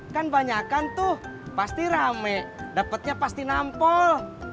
kan banyakan tuh pasti rame dapatnya pasti nampol